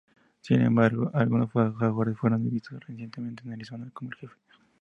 Sin embargo, algunos jaguares fueron vistos recientemente en Arizona, como El Jefe.